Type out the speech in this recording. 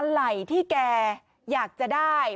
อลัยที่แกอยากจะได้